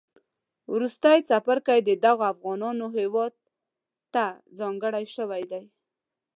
وروستی څپرکی د دغو افغانانو هیواد تهځانګړی شوی دی